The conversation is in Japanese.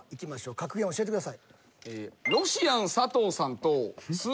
格言教えてください。